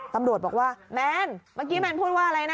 ตำรวจบอกว่าแมนเมื่อกี้แมนพูดว่าอะไรนะ